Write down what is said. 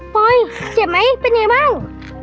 ปอยเจ็บไหมเป็นยังไงบ้าง